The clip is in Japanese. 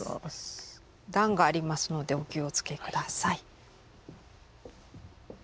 段がありますのでお気をつけ下さい。